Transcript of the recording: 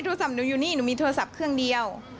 โทรศัพท์หนูอยู่นี่หนูมีโทรศัพท์เครื่องเดียว